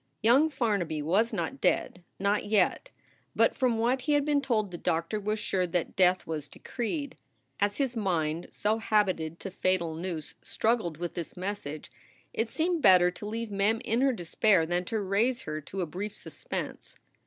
Young Farnaby was not dead not yet. But from what he had been told the doctor was sure that death was decreed. As his mind, so habited to fatal news, struggled with this message, it seemed better to leave Mem in her despair than to raise her to a brief suspense.